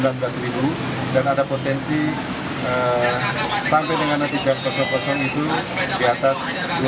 lebih dari sembilan belas dan ada potensi sampai dengan netizen kosong kosong itu di atas dua puluh dua